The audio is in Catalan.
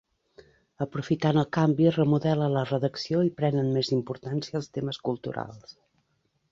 Aprofitant el canvi es remodela la redacció i prenen més importància els temes culturals.